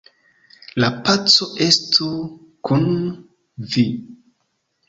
La paco estu kun vi!